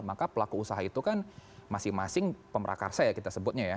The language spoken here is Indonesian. maka pelaku usaha itu kan masing masing pemrakarsa ya kita sebutnya ya